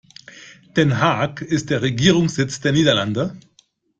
Den Haag ist der Regierungssitz der Niederlande.